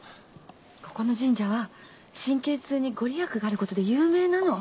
ここの神社は神経痛に御利益があることで有名なの。